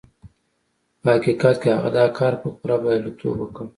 په حقيقت کې هغه دا کار په پوره برياليتوب وکړ.